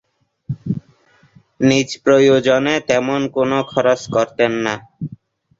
নিজ প্রয়োজনে তেমন কোন খরচ করতেন না।